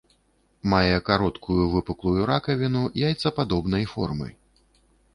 Мае кароткую выпуклую ракавіну яйцападобнай формы.